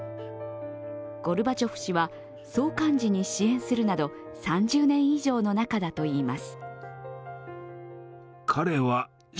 ゴルバチョフ氏は、創刊時に支援するなど、３０年以上の仲だといいます。